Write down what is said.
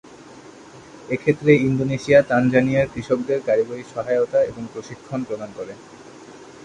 এ ক্ষেত্রে ইন্দোনেশিয়া, তানজানিয়ার কৃষকদের কারিগরি সহায়তা এবং প্রশিক্ষণ প্রদান করে।